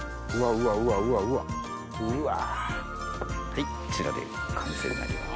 はいこちらで完成になります。